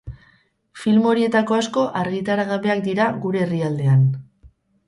Film horietako asko argitaragabeak dira gure herrialdean.